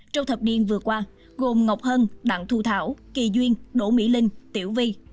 trong thập niên vừa qua gồm ngọc hân đặng thu thảo kỳ duyên đỗ mỹ linh tiểu vi